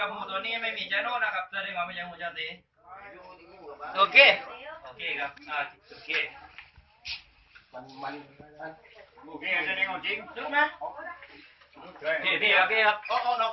เราต้องมีอัศวินที่เป็นแค่ตั้งสี่สิ่งแต่ไม่มีไปเท่าไหร่